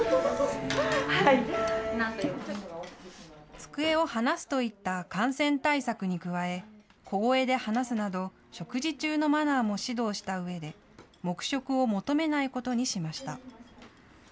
机を離すといった感染対策に加え小声で話すなど食事中のマナーも指導したうえで黙食を求めないことにしました。